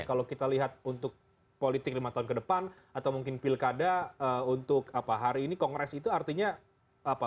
kalau kita lihat untuk politik lima tahun ke depan atau mungkin pilkada untuk hari ini kongres itu artinya apa